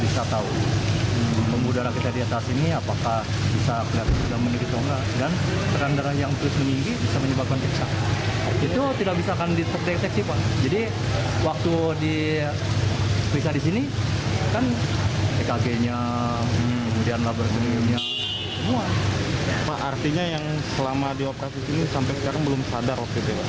selama dioperasi ini sampai sekarang belum sadar